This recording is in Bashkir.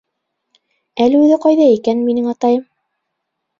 — Әле үҙе ҡайҙа икән минең атайым?